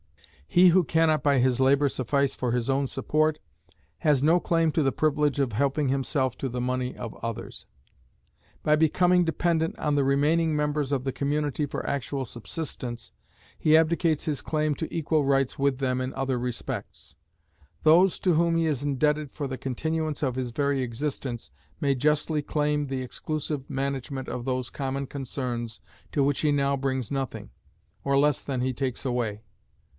He who can not by his labor suffice for his own support, has no claim to the privilege of helping himself to the money of others. By becoming dependent on the remaining members of the community for actual subsistence, he abdicates his claim to equal rights with them in other respects. Those to whom he is indebted for the continuance of his very existence may justly claim the exclusive management of those common concerns to which he now brings nothing, or less than he takes away.